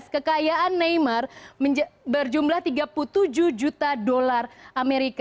kekayaan neymar berjumlah tiga puluh tujuh juta dolar amerika